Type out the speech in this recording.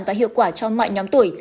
và hiệu quả cho mọi nhóm tuổi